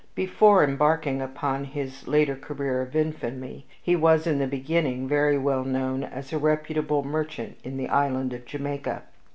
Before embarking upon his later career of infamy, he was, in the beginning, very well known as a reputable merchant in the island of Jamaica.